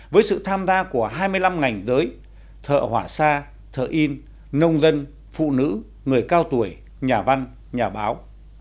với sự tham gia của hai mươi năm ngành giới thợ hỏa xa thợ in nông dân phụ nữ người cao tuổi nhà văn nhà báo